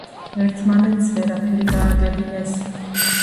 ერთმანეთს ვერაფერი გააგებინეს.